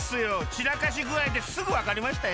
ちらかしぐあいですぐわかりましたよ。